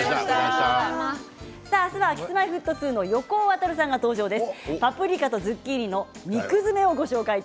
明日はＫｉｓ−Ｍｙ−Ｆｔ２の横尾渉さんが登場です。